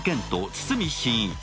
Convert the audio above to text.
堤真一